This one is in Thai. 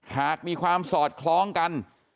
หากมีความสอดคล้องกัน